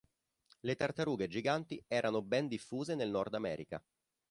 Le tartarughe giganti erano ben diffuse nel Nord America.